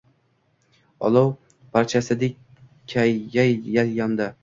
olov parchasidekyal-yal yondi.